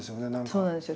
そうなんですよ